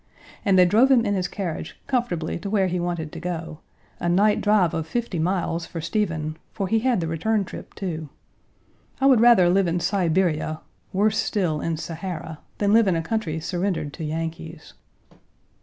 And they drove him in his carriage comfortably to where he wanted to go a night drive of fifty miles for Stephen, for he had the return trip, too. I would rather live in Siberia, worse still, in Sahara, than live in a country surrendered to Yankees.